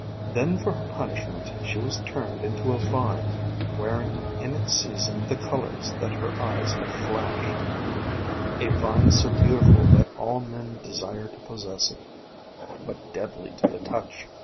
Then for her punishment she was turned into a vine, wearing in its season the colors that her eyes had flashed, — a vine so beautiful that all men desire to possess it, but deadly to the touch.